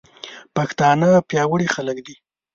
پښتانه پياوړي خلک دي.